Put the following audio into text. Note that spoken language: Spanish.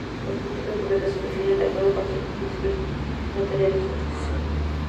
Las políticas públicas se diseñan de acuerdo con ciertos principios materiales de justicia.